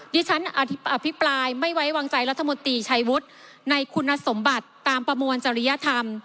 ที่ฉันอภิปรายไม่ไว้วางใจรัฐมนตรีชัยวุฒิในคุณสมบัติตามประมวลจริยธรรม